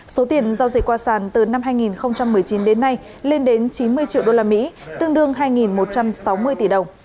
số tiền giao dịch qua sản từ năm hai nghìn một mươi chín đến nay lên đến chín mươi triệu usd tương đương hai một trăm sáu mươi tỷ đồng